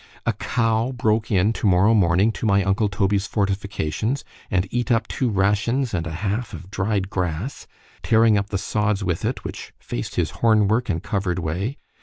A cow broke in (tomorrow morning) to my uncle Toby's fortifications, and eat up two rations and a half of dried grass, tearing up the sods with it, which faced his horn work and covered way.